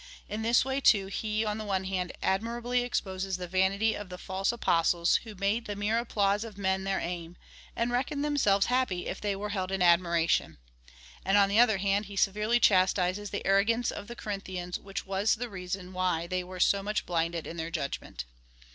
In this way, too, he, on the one hand, admirably exposes the vanity of the false Apostles who made the mere applause of men their aim, and reckoned themselves happy if they were held in admiration ; and, on the other hand, he severely chastises the arrogance 1 of the Corinthians, which was the reason why they were so much blinded in their judgment.